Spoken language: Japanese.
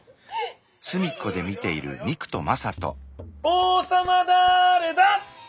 王様だれだ？